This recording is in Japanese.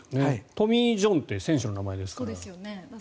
トミー・ジョンって選手の名前ですから。